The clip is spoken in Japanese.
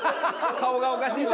顔がおかしいぞ！